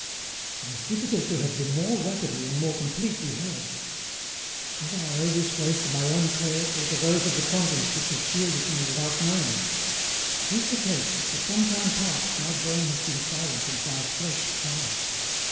"It is difficult to have been more rapidly and more com pletely heard. Whether I owe this grace to my own prayers or to those of the convents which have shielded me without knowing me, it is the case that for some time past my brain has been silent and my flesh calm.